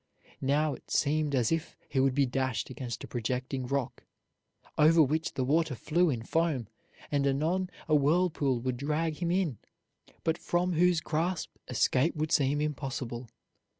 Now it seemed as if he would be dashed against a projecting rock, over which the water flew in foam, and anon a whirlpool would drag him in, from whose grasp escape would seem impossible.